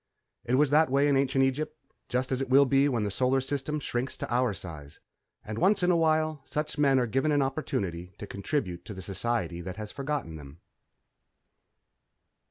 _ _It was that way in ancient Egypt, just as it will be when the Solar System shrinks to our size. And once in a while such men are given an opportunity to contribute to the society that has forgotten them....